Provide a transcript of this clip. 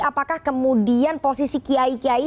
apakah kemudian posisi kiai kiai